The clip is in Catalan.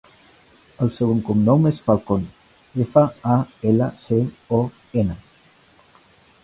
El seu cognom és Falcon: efa, a, ela, ce, o, ena.